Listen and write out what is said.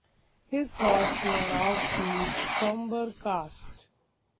His thoughts were of the sombre cast.